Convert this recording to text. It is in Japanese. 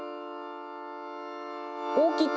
大きく！